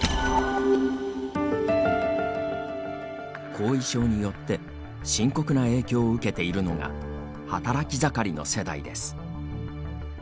後遺症によって深刻な影響を受けているのが働き盛りの世代です。